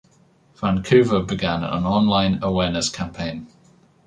Vancouver began an online awareness campaign.